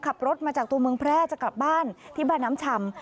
ขับรถมาจากตัวเมืองแพร่จะกลับบ้านที่บ้านน้ำชำ